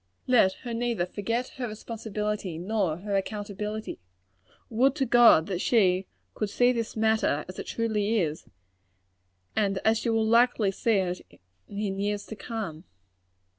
Let her neither forget her responsibility nor her accountability. Would to God that she could see this matter as it truly is, and as she will be likely to see it in years to come!